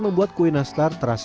membuat kue nastar terasa